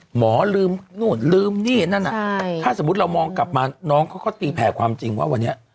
หมอลืมนู่นลืมนี่นั่นถ้าสมมุติเรามองกลับมาน้องเขาก็ตีแผ่ความจริงว่าวันนี้